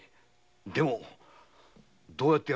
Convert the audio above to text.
でもどうやって？